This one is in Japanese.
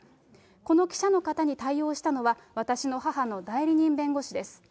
この記者の方に対応したのは、私の母の代理人弁護士です。